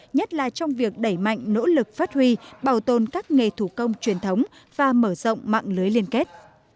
nhất là trong việc đẩy mạnh nỗ lực phát huy bảo tồn các nghề thủ công truyền thống và mở rộng mạng lưới liên kết